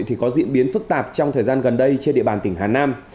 thì có diễn biến phức tạp trong thời gian gần đây trên địa bàn tỉnh hà nam